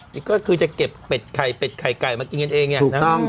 นี่ก็คือจะเก็บเป็ดไข่เป็ดไข่ไก่มากินกันเอง